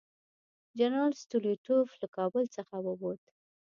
جنرال سټولیټوف له کابل څخه ووت.